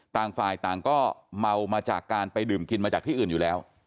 ต่างฝ่ายต่างก็เมามาจากการไปดื่มกินมาจากที่อื่นอยู่แล้ว